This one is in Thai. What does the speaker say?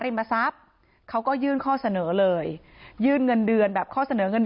เพราะไม่มีเงินไปกินหรูอยู่สบายแบบสร้างภาพ